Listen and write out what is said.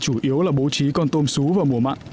chủ yếu là bố trí con tôm xú vào mùa mặn